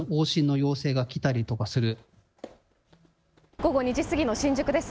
午後２時過ぎの新宿です。